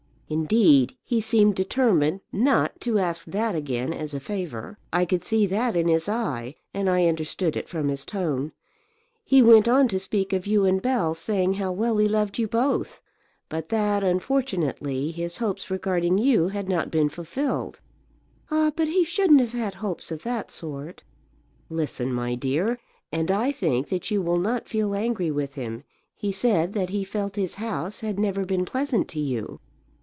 Indeed he seemed determined not to ask that again as a favour. I could see that in his eye, and I understood it from his tone. He went on to speak of you and Bell, saying how well he loved you both; but that, unfortunately, his hopes regarding you had not been fulfilled." "Ah, but he shouldn't have had hopes of that sort." "Listen, my dear, and I think that you will not feel angry with him. He said that he felt his house had never been pleasant to you.